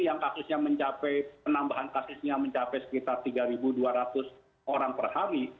yang kasusnya mencapai penambahan kasusnya mencapai sekitar tiga dua ratus orang per hari